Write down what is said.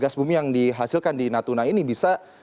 gas bumi yang dihasilkan di natuna ini bisa